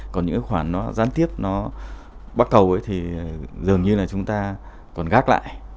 còn những khoản nó gián tiếp nó bắt cầu thì dường như là chúng ta còn gác lại